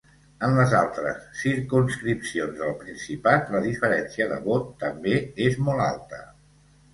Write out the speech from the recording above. En les altres circumscripcions del Principat la diferència de vot també és molt alta.